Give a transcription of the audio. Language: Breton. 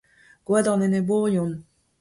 Gwa d'an enebourion !